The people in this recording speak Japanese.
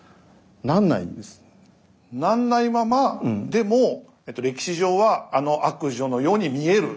なんないままでも歴史上はあの悪女のように見える。